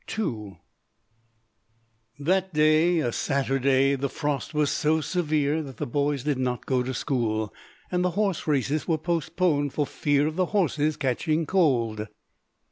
II That day, a Saturday, the frost was so severe that the boys did not go to school, and the horse races were postponed for fear of the horses catching cold.